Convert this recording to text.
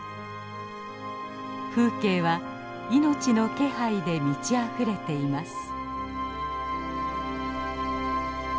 風景は命の気配で満ちあふれています。